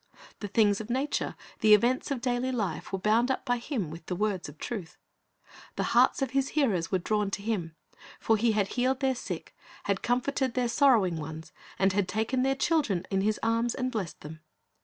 The things of nature, the events of daily life, were bound up by Him with the words of truth. The hearts of His hearers were drawn to Him; for He had healed their sick, had comforted their sorrowing ones, and had taken their children in His arms and blessed them.